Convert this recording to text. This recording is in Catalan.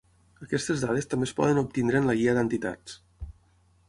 Aquestes dades també es poden obtenir en la Guia d'Entitats.